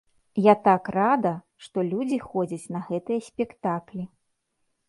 Я так рада, што людзі ходзяць на гэтыя спектаклі!